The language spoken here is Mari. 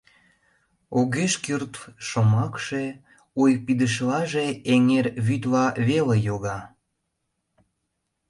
Огеш кӱрылт шомакше, ойпидышлаже эҥер вӱдла веле йога.